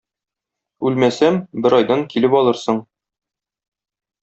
Үлмәсәм, бер айдан килеп алырсың.